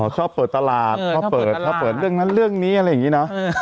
ชอบเปิดตลาดชอบเปิดชอบเปิดเรื่องนั้นเรื่องนี้อะไรอย่างนี้นะ